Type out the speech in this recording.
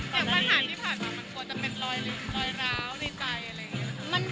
ปัญหาที่ผ่านมามันกลัวจะเป็นรอยร้าวในใจ